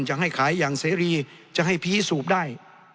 จะให้ขายอย่างเสรีจะให้พีสูบได้